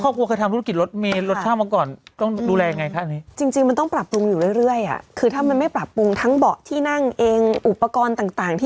ในฐานะที่ครอบครัวเคยทำธุรกิจรถ